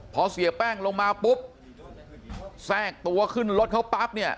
พอเสียแป้งลงมาปุ๊บแทรกตัวขึ้นรถเขาปั๊บเนี่ย